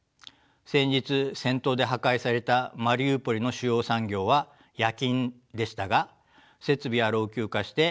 先日戦闘で破壊されたマリウポリの主要産業は冶金でしたが設備は老朽化して大気汚染もひどかったです。